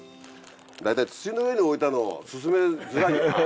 大体土の上に置いたのをすすめづらいよな。